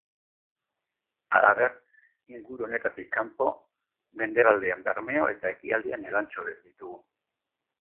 Halaber, inguru honetatik kanpo, mendebaldean Bermeo eta ekialdean Elantxobe ditugu.